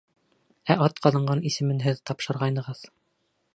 Ә атҡаҙанған исемен һеҙ тапшырғайнығыҙ.